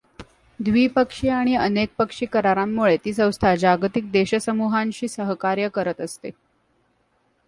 द्विपक्षीय आणि अनेकपक्षी करारांमुळे ती संस्था जागतिक देशसमू्हांशी सहकार्य करत असते.